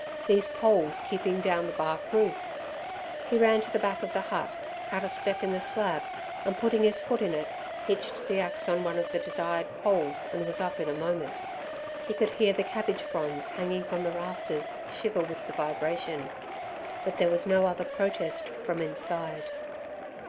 These poles keeping down the bark roof. He ran to the back of the hut, cut a step in a slab, and, putting his foot in it, hitched the axe on one of the desired poles and was up in a moment. He could hear the cabbage fronds hanging from the rafters shiver with the vibration, but there was no other protest from inside.